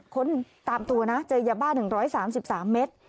ค้นตามตัวนะเจอยาบ้า๑๓๓เมตร